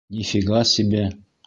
— Ни фига себе...